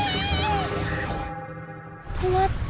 止まった。